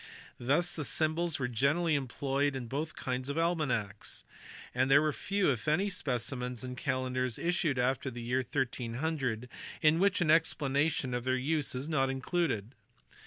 Thus the symbols were generally employed in both kinds of almanacks, and there are few, if any, specimens of calendars issued after the year 1300 in which an explanation of their use is not included.